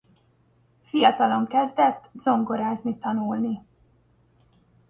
Fiatalon kezdett zongorázni tanulni.